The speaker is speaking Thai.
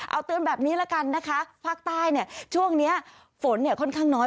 เอาเตือนแบบนี้ละกันนะคะภาคใต้เนี่ยช่วงนี้ฝนเนี่ยค่อนข้างน้อย